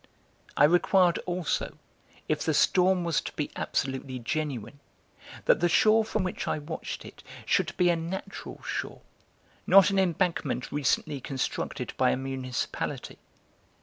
I required also, if the storm was to be absolutely genuine, that the shore from which I watched it should be a natural shore, not an embankment recently constructed by a municipality.